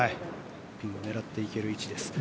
ピンを狙っていける位置でした。